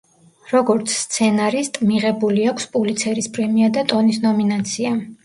როგორც სცენარისტ, მიღებული აქვს პულიცერის პრემია და ტონის ნომინაცია.